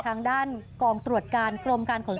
ทางด้านกองตรวจการกรมการขนส่ง